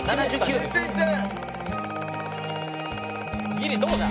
「ギリどうだ？」